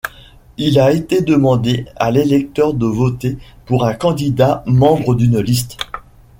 Il a été demandé à l'électeur de voter pour un candidat membre d'une liste.